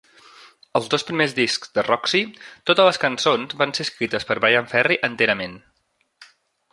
Als dos primers discs de Roxy, totes les cançons van ser escrites per Bryan Ferry enterament.